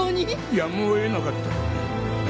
やむをえなかった。